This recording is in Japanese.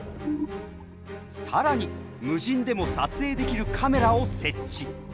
更に無人でも撮影できるカメラを設置。